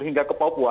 hingga ke papua